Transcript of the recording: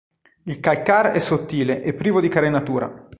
Il calcar è sottile e privo di carenatura.